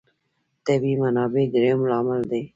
طبیعي منابع درېیم لامل دی.